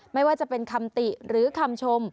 ไม่ว่าจะเป็นคำติหรือคำชม